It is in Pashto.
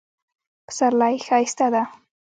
پسرلی ښایسته ده